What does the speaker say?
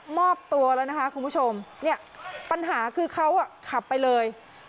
มอบตัวแล้วนะคะคุณผู้ชมเนี่ยปัญหาคือเขาอ่ะขับไปเลย